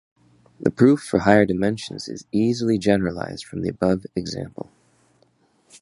The proof for higher dimensions is easily generalized from the above example.